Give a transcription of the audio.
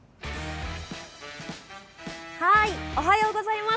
おはようございます。